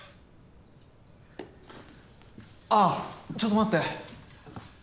あちょっと待って。